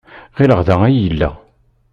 Ɣileɣ da ay yella.